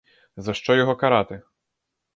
За що його карати?